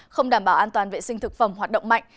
không đảm bảo an toàn vệ sinh thực phẩm hoạt động mạnh